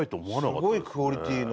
すごいクオリティーの。